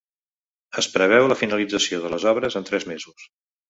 Es preveu la finalització de les obres en tres mesos.